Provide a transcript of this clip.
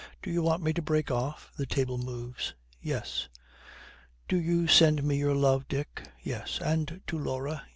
'Do you want me to break off?' The table moves. 'Yes. Do you send me your love, Dick? Yes. And to Laura?